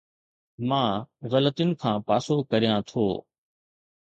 مان غلطين کان پاسو ڪريان ٿو